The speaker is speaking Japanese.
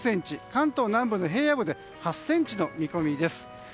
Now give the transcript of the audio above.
関東南部の平野部で８ｃｍの見込みです。